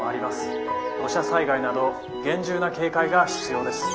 土砂災害など厳重な警戒が必要です。